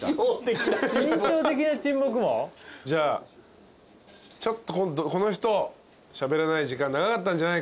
じゃあちょっとこの人しゃべらない時間長かったんじゃないか。